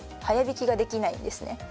速弾きができないんですね。